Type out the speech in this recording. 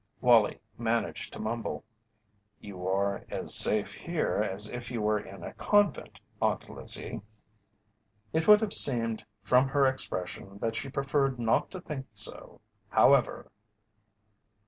Wallie managed to mumble: "You are as safe here as if you were in a convent, Aunt Lizzie." It would have seemed from her expression that she preferred not to think so, however.